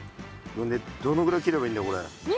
どのぐらい切ればいいんだこれ。